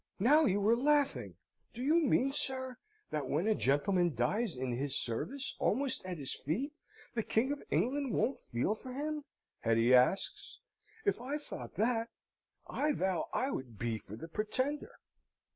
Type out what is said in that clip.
"Now you are laughing! Do you mean, sir, that when a gentleman dies in his service, almost at his feet, the King of England won't feel for him?" Hetty asks. "If I thought that, I vow I would be for the Pretender!"